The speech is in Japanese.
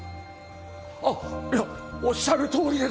あっいやおっしゃるとおりでございます！